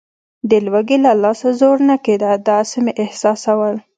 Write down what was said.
د لوږې له لاسه زور نه کېده، داسې مې احساسول.